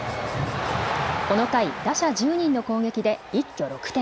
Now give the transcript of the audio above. この回、打者１０人の攻撃で一挙６点。